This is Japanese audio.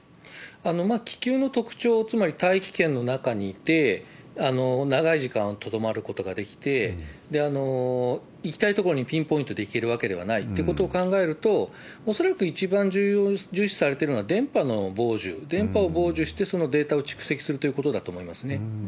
気球の特徴、つまり大気圏の中にいて、長い時間留まることができて、行きたい所にピンポイントで行けるわけではないってことを考えると、恐らく一番重視されているのは電波の傍受、電波を傍受して、そのデータを蓄積するということだと思いますね。